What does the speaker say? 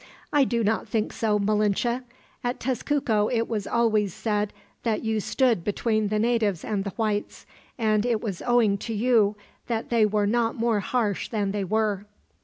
"I do not think so, Malinche. At Tezcuco it was always said that you stood between the natives and the whites, and it was owing to you that they were not more harsh than they were.